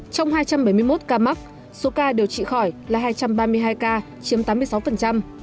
trong hai trăm bảy mươi một ca mắc số ca điều trị khỏi là hai trăm ba mươi hai ca chiếm tám mươi sáu